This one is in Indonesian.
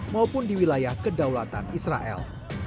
maupun di wilayah kedaulatan israel